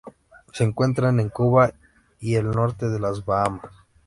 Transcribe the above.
Se encuentra en Cuba y el norte de las Bahamas.